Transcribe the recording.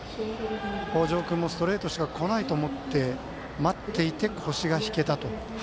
北條君もストレートしか来ないと思って待っていて腰が引けたと。